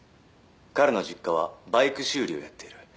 「彼の実家はバイク修理をやっている」